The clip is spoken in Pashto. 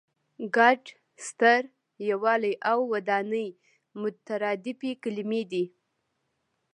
ګډ، ستر، یووالی او ودانۍ مترادفې کلمې دي.